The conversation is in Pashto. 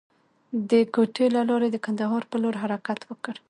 د کوټې له لارې د کندهار پر لور حرکت وکړ.